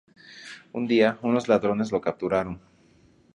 Un día unos ladrones lo capturaron.